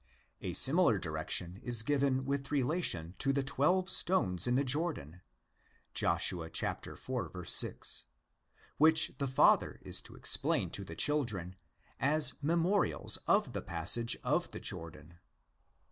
A similar direction is given with relation to the twelve stones in the Jordan (Josh. iv. 6), which the father is to explain to the children as memorials of the passage of the Jordan.